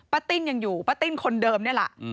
ติ้นยังอยู่ป้าติ้นคนเดิมนี่แหละ